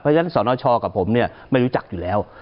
เพราะฉะนั้นสนชกับผมเนี่ยไม่รู้จักอยู่แล้ว